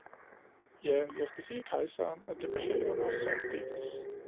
ja, jeg skal sige kejseren, at det behager mig særdeles!